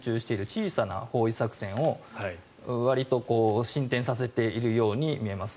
小さな包囲作戦をわりと進展させているように見えます。